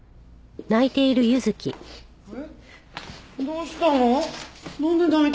どうしたの？